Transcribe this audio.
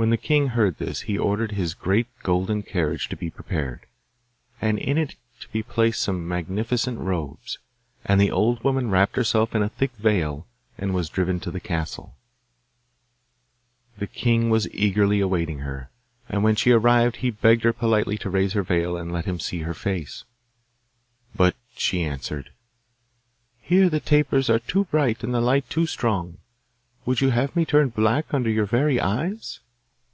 When the king heard this he ordered his great golden carriage to be prepared, and in it to be placed some magnificent robes; and the old woman wrapped herself in a thick veil, and was driven to the castle. The king was eagerly awaiting her, and when she arrived he begged her politely to raise her veil and let him see her face. But she answered: 'Here the tapers are too bright and the light too strong. Would you have me turn black under your very eyes?